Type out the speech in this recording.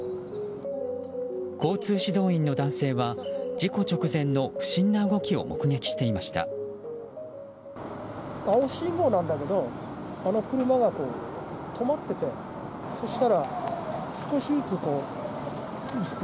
交通指導員の男性は事故直前の不審な動きを目撃していました。